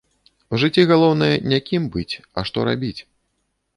У жыцці галоўнае не кім быць, а што рабіць.